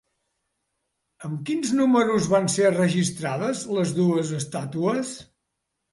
Amb quins números van ser registrades les dues estàtues?